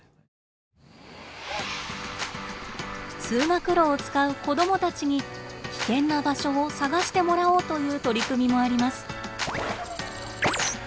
通学路を使う子どもたちに危険な場所を探してもらおうという取り組みもあります。